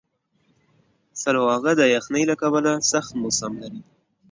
سلواغه د یخنۍ له کبله سخت موسم لري.